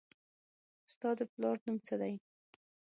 ستا د پلار نوم څه دي